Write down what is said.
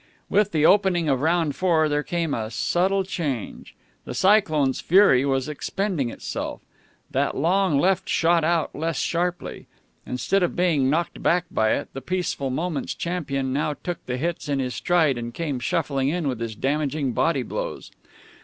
With the opening of round four there came a subtle change. The Cyclone's fury was expending itself. That long left shot out less sharply. Instead of being knocked back by it, the Peaceful Moments champion now took the hits in his stride, and came shuffling in with his damaging body blows.